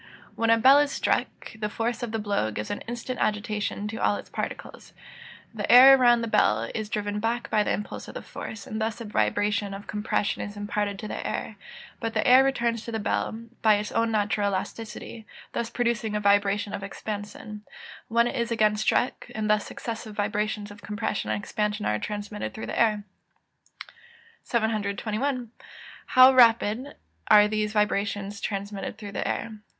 _ When a bell is struck, the force of the blow gives an instant agitation to all its particles. The air around the bell is driven back by the impulse of the force, and thus a vibration of compression is imparted to the air; but the air returns to the bell, by its own natural elasticity, thus producing a vibration of expansion when it is again struck, and thus successive vibrations of compression and expansion are transmitted through the air. 721. _How rapidly are these vibrations transmitted through the air?